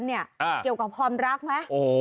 เกี่ยวกับความรักไหม